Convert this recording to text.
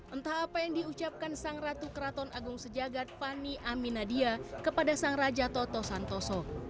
entah apa yang diucapkan sang ratu keraton agung sejagat fani aminadia kepada sang raja toto santoso